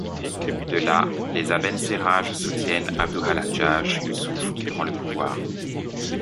De là les Abencérages soutiennent Abû al-Hajjâj Yûsuf qui prend le pouvoir.